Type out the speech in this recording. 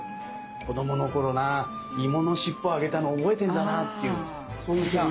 子供の頃なぁ芋のしっぽをあげたの覚えてんだなぁって言うんです。